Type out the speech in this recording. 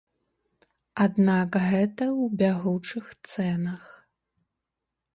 Аднак гэта ў бягучых цэнах.